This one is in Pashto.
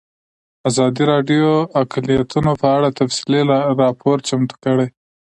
ازادي راډیو د اقلیتونه په اړه تفصیلي راپور چمتو کړی.